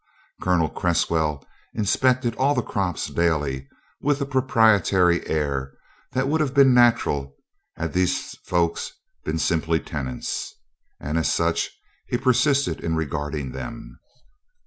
Colonel Cresswell inspected all the crops daily with a proprietary air that would have been natural had these folk been simply tenants, and as such he persisted in regarding them.